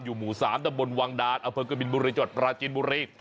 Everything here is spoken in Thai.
อยู่หมู่๓ด้านบนวังดาลอเฟิร์กบินบุรีจดราชินบุรี